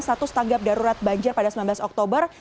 status tanggap darurat banjir pada sembilan belas oktober